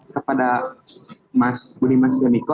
kepada mas budi mas demiko